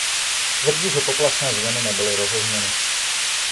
Tvrdí, že poplašné zvony nebyly rozezněny.